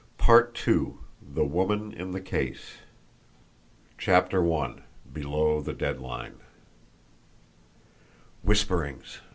PART TWO: THE WOMAN IN THE CASE CHAPTER I BELOW THE DEAD LINE Whisperings!